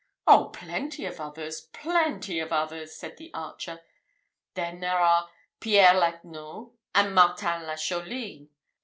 "Oh, plenty of others! plenty of others!" said the archer. "Then there are Pierre l'Agneau, and Martin de Chauline.